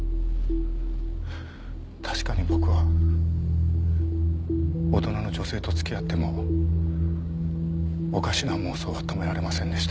確かに僕は大人の女性と付き合ってもおかしな妄想は止められませんでした。